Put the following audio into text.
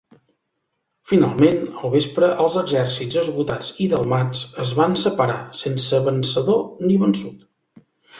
Finalment, al vespre, els exèrcits esgotats i delmats es van separar sense vencedor ni vençut.